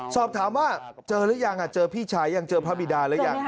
สอบถามว่าเจอหรือยังเจอพี่ชายยังเจอพระบิดาหรือยัง